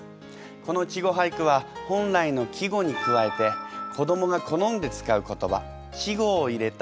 この「稚語俳句」は本来の季語に加えて子どもが好んで使う言葉稚語を入れた句をいいます。